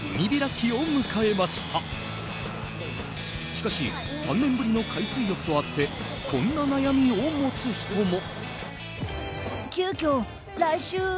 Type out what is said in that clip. しかし、３年ぶりの海水浴とあってこんな悩みを持つ人も。